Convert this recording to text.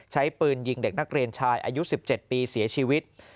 ใช้ปืนยิงเด็กนักเรียนชายอายุ๑๗ปีเสียชีวิต